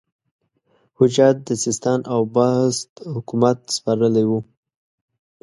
حجاج د سیستان او بست حکومت سپارلی وو.